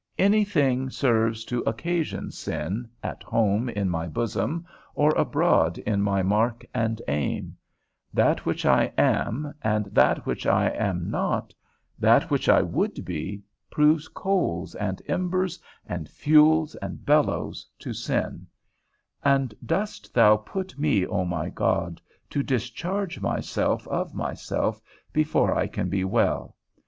Any thing serves to occasion sin, at home in my bosom, or abroad in my mark and aim; that which I am, and that which I am not, that which I would be, proves coals, and embers, and fuel, and bellows to sin; and dost thou put me, O my God, to discharge myself of myself, before I can be well?